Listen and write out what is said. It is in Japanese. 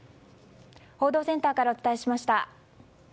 報道センターからお伝えしました。